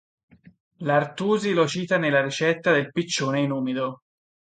L'Artusi lo cita nella ricetta del piccione in umido.